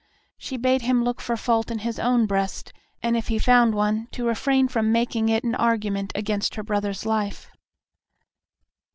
She bade him look for fault in his own breast, and if he found one, to refrain from making it an argument against her brother's life.